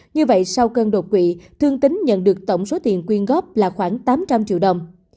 như vậy sau cơn đột quỵ thương tính nhận được tổng số tiền quyên góp là khoảng tám trăm linh triệu đồng